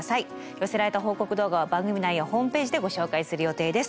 寄せられた報告動画は番組内やホームページでご紹介する予定です。